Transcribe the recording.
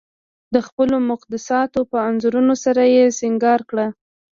د خپلو مقدساتو په انځورونو سره یې سنګار کړه.